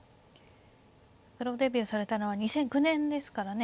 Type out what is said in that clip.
プロデビューされたのは２００９年ですからね